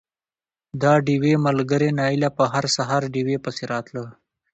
د ډېوې ملګرې نايله به هر سهار ډېوې پسې راتله